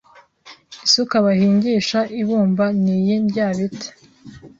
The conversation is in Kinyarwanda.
isuka bahingisha ibumba niyi ndyabiti